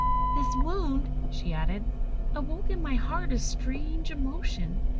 "This wound," she added, "awoke in my heart a strange emotion.